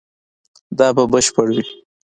دا به بشپړ وي